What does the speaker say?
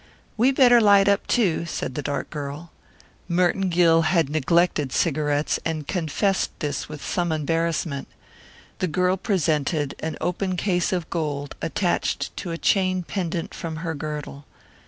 "We better light up, too," said the dark girl. Merton Gill had neglected cigarettes and confessed this with some embarrassment. The girl presented an open case of gold attached to a chain pendent from her girdle.